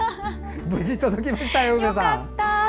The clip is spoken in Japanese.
無事届きましたよ、うめさん。